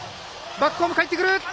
バックホーム、かえってくる。